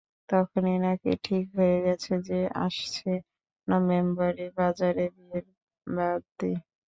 তখনই নাকি ঠিক হয়ে গেছে যে, আসছে নভেম্বরেই বাজবে বিয়ের বাদ্যি।